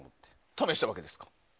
試したわけですか。